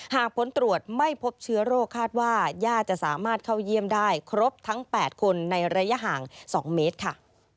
หากผลตรวจไม่พบเชื้อโรคคาดว่าย่าจะสามารถเข้าเยี่ยมได้ครบทั้ง๘คนในระยะห่าง๒เมตรค่ะ